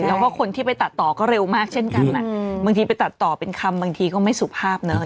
แล้วก็คนที่ไปตัดต่อก็เร็วมากเช่นกันบางทีไปตัดต่อเป็นคำบางทีก็ไม่สุภาพเนอะ